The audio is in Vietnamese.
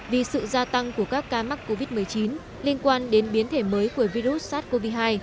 vì sự gia tăng của các ca mắc covid một mươi chín liên quan đến biến thể mới của virus sars cov hai